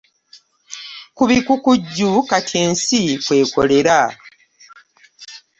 Ku bikukujju kati ensi kw'ekolera